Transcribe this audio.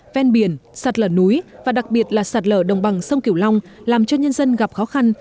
ven biển sạt lở núi và đặc biệt là sạt lở đồng bằng sông kiểu long làm cho nhân dân gặp khó khăn